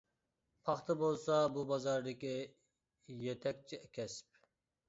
پاختا بولسا بۇ بازاردىكى يېتەكچى كەسىپ.